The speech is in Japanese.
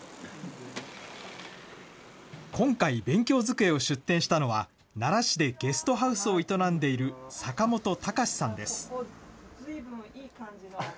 今回、勉強机を出展したのは、奈良市でゲストハウスを営んでいる坂本隆司さんです。